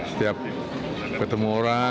setiap ketemu orang